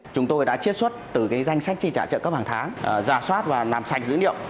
chúng tôi đã triết xuất từ danh sách tri trả trợ cấp hàng tháng ra soát và làm sạch dữ liệu